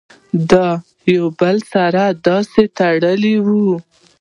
دا د يو بل سره داسې تړلي وي